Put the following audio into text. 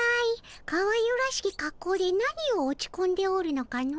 かわゆらしきかっこうで何を落ちこんでおるのかの？